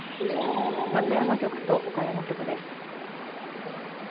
松山局と岡山局です。